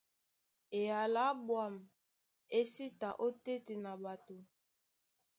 Eyala á ɓwâm é sí ta ótétena ɓato.